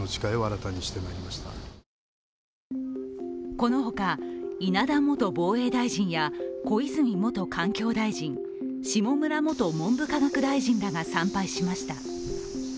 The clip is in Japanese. この他、稲田元防衛大臣や小泉元環境大臣、下村元文部科学大臣らが参拝しました。